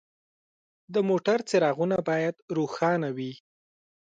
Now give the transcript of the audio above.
د موټر څراغونه باید روښانه وي.